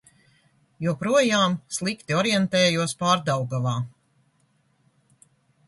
Joprojām slikti orientējos Pārdaugavā.